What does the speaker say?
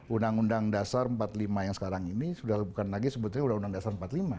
undang undang dasar empat puluh lima yang sekarang ini sudah bukan lagi sebetulnya undang undang dasar empat puluh lima